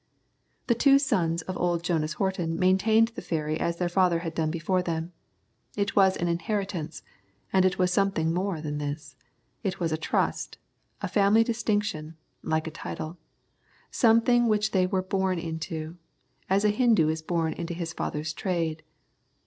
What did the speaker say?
The two sons of old Jonas Horton maintained the ferry as their father had done before them. It was an inheritance, and it was something more than this. It was a trust, a family distinction, like a title, something which they were born into, as a Hindoo is born into his father's trade.